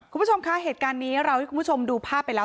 คุณผู้ชมคะเหตุการณ์นี้เราให้คุณผู้ชมดูภาพไปแล้ว